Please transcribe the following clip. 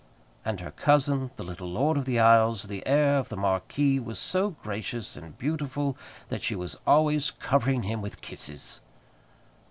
And her cousin, the little Lord of the Isles, the heir of the marquis, was so gracious and beautiful that she was always covering him with kisses.